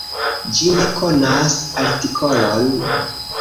Ĝi ne konas artikolon.